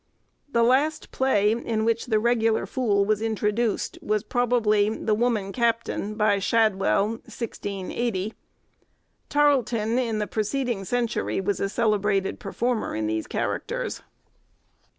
The last play, in which the regular fool was introduced, was probably, 'The Woman Captain,' by Shadwell, 1680. Tarleton, in the preceding century, was a celebrated performer in these characters.